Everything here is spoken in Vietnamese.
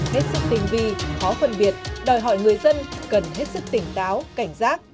hết sức tinh vi khó phân biệt đòi hỏi người dân cần hết sức tỉnh táo cảnh giác